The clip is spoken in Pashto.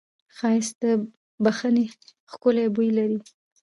ښایست د بښنې ښکلی بوی لري